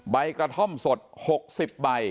ใบกระท่อมสด๖๐ใบ